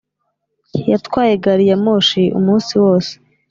yatwaye gari ya moshi umunsi wose